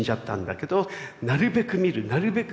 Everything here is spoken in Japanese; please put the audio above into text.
なるべく見るなるべく